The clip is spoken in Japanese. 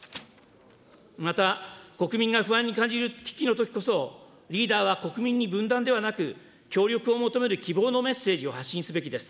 また、国民が不安に感じる危機のときこそ、リーダーは国民に分断ではなく、協力を求める希望のメッセージを発信すべきです。